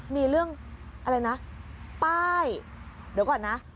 มีเรื่องอะไรนะป้ายเดี๋ยวก่อนนะ